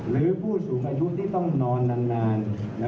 หรือผู้สูงอายุที่ต้องนอนนาน